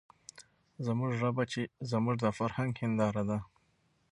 زموږ ژبه چې زموږ د فرهنګ هېنداره ده،